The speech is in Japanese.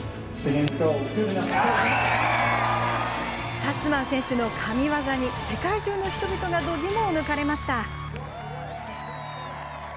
スタッツマン選手の神業に世界中の人々がどぎもを抜かれました。